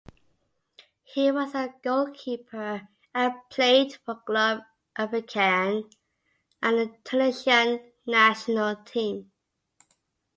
He was a goalkeeper and played for Club Africain and the Tunisian national team.